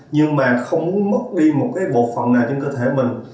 nhưng mà không mất đi một cái bộ phận nào trên cơ thể mình